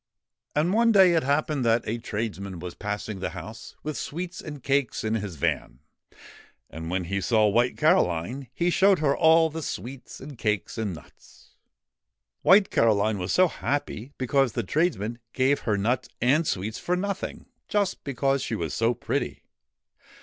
And one day it happened that a tradesman was passing the house with sweets and cakes in his van, and when he saw White Caroline, he showed her all the sweets and cakes and nuts. White Caroline was so happy, because the tradesman gave her nuts and sweets for nothing, just because she was so pretty.